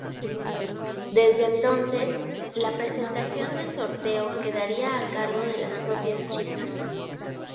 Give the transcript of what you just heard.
Desde entonces, la presentación del sorteo quedaría a cargo de las propias chicas.